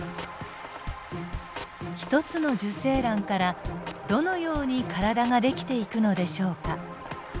１つの受精卵からどのように体ができていくのでしょうか。